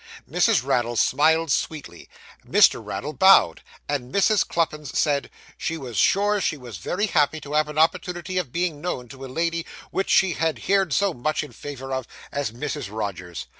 Mrs. Raddle smiled sweetly, Mr. Raddle bowed, and Mrs. Cluppins said, 'she was sure she was very happy to have an opportunity of being known to a lady which she had heerd so much in favour of, as Mrs. Rogers.